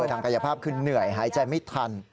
ทางกายภาพคือเหนื่อยหายใจไม่ทัน